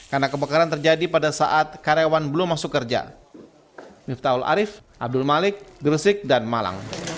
karena kebakaran terjadi pada saat karyawan belum masuk kerja